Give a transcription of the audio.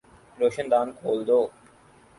روشن دان کھول دو